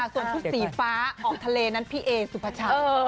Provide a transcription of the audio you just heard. ส่วนชุดสีฟ้าออกทะเลนั้นพี่เอสุภาชัย